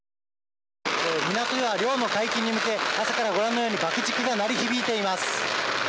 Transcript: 港には、漁の解禁に向け朝からご覧のように爆竹が鳴り響いています。